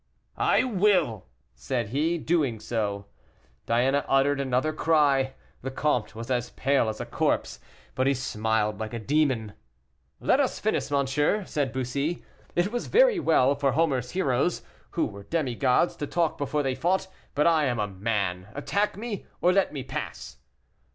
"I will," said he, doing so. Diana uttered another cry; the comte was as pale as a corpse, but he smiled like a demon. "Let us finish, monsieur," said Bussy; "it was very well for Homer's heroes, who were demigods, to talk before they fought; but I am a man attack me, or let me pass."